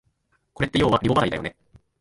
これってようはリボ払いだよね